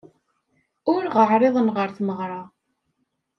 Ur ɣ-ɛriḍen ɣer tmeɣra.